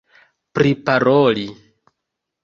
priparoli